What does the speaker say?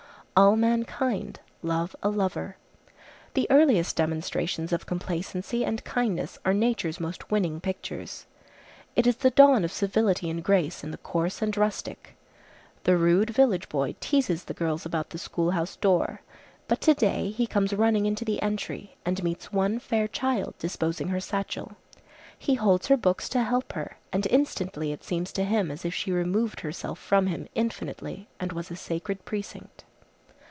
All mankind love a lover. The earliest demonstrations of complacency and kindness are nature's most winning pictures. It is the dawn of civility and grace in the coarse and rustic. The rude village boy teases the girls about the school house door;—but to day he comes running into the entry, and meets one fair child disposing her satchel; he holds her books to help her, and instantly it seems to him as if she removed herself from him infinitely, and was a sacred precinct.